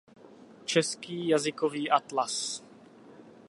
Český jazykový atlas.